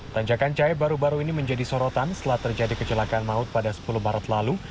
tanjakan cahaya baru baru ini menjadi sorotan setelah terjadi kecelakaan maut pada sepuluh maret lalu